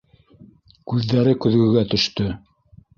Күҙҙәре көҙгөгә төштө.